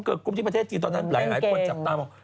เกิร์กกลุ่มที่ประเทศจีนตอนนั้นหลายหลายคนจับตาม